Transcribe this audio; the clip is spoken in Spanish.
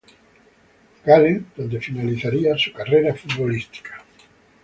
Gallen, donde finalizaría su carrera futbolística.